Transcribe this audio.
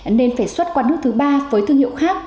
nên phải xuất qua nước thứ ba với thương hiệu khác